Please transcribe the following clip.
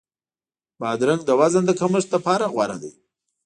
بادرنګ د وزن د کمښت لپاره غوره دی.